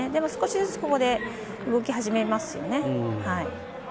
少しずつここで動き始めますね。